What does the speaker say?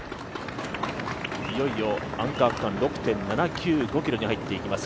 いよいよアンカー区間６．７９５ｋｍに入ってきます。